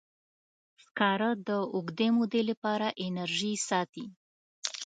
سکاره د اوږدې مودې لپاره انرژي ساتي.